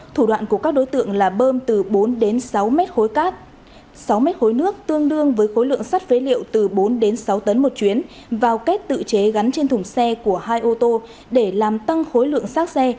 thủ đoạn của các đối tượng là bơm từ bốn đến sáu mét khối cát sáu mét khối nước tương đương với khối lượng sắt phế liệu từ bốn sáu tấn một chuyến vào kết tự chế gắn trên thùng xe của hai ô tô để làm tăng khối lượng sát xe